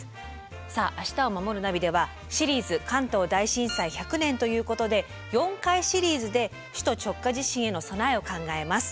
さあ「明日をまもるナビ」では「シリーズ関東大震災１００年」ということで４回シリーズで首都直下地震への備えを考えます。